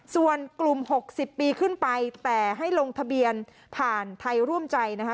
ส่วนกลุ่ม๖๐ปีขึ้นไปแต่ให้ลงทะเบียนผ่านไทยร่วมใจนะคะ